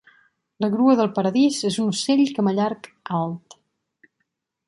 La grua del paradís és un ocell camallarg alt.